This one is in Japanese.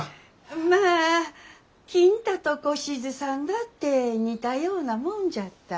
まあ金太と小しずさんだって似たようなもんじゃった。